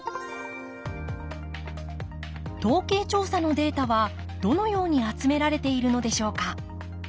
統計調査のデータはどのように集められているのでしょうか。